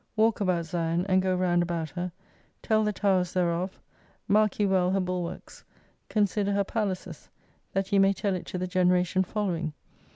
Walk about Sion and go round about her, tell the towers thereof; mark ye well ber bulwarks, consider her palaces, that ye may tell it to the generation follozving.